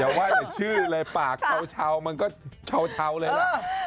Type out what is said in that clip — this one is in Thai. อย่าว่าแต่ชื่ออะไรปากเฉามันก็เฉาเลยล่ะ